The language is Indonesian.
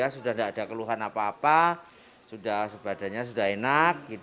sudah tidak ada keluhan apa apa badannya sudah enak